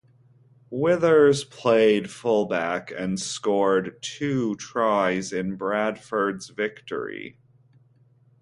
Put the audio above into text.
Withers played fullback and scored two tries in Bradford's victory.